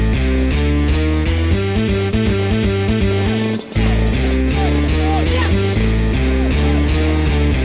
tidak ada yang bisa dipercaya